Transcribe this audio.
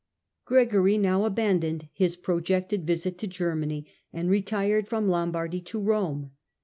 — Gregory now abandoned his projected visit to Germany, and retired from Lombardy to Rome.